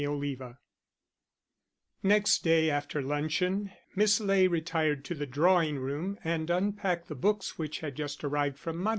Chapter V Next day, after luncheon, Miss Ley retired to the drawing room and unpacked the books which had just arrived from Mudie.